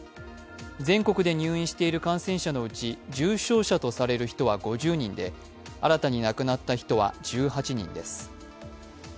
全国で入院している人のうち重症者とされる人は５０人で新たに亡くなった人は１８人です。